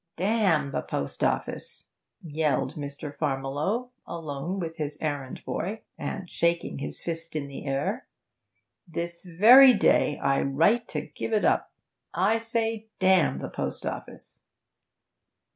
'Damn the post office!' yelled Mr. Farmiloe, alone with his errand boy, and shaking his fist in the air. 'This very day I write to give it up. I say damn the post office.'